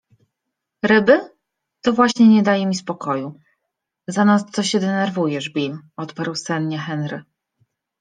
ryby? To właśnie nie daje mi spokoju. - Zanadto się denerwujesz Bill - odparł sennie Henry. -